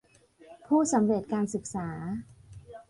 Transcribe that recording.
ผู้สำเร็จการศึกษา